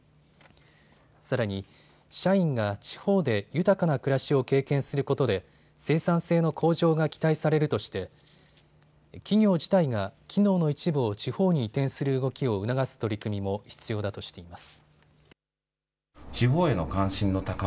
さらに、社員が地方で豊かな暮らしを経験することで生産性の向上が期待されるとして企業自体が機能の一部を地方に移転する動きを促す取り組みも必要だとしています。